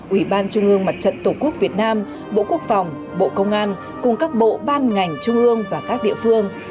ủy ban trung ương mặt trận tổ quốc việt nam bộ quốc phòng bộ công an cùng các bộ ban ngành trung ương và các địa phương